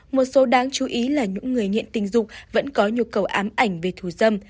một số đáng chú ý là những người nghiện tình dục vẫn có nhu cầu ám ảnh về thù dâm